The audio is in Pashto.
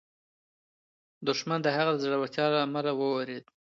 دښمن د هغه د زړورتیا له امله وېرېد.